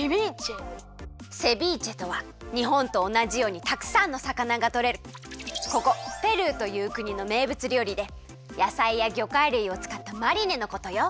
セビーチェとはにほんとおなじようにたくさんのさかながとれるここペルーというくにのめいぶつりょうりでやさいやぎょかいるいをつかったマリネのことよ。